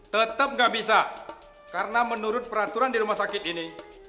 tetap nggak bisa karena menurut peraturan di rumah sakit ini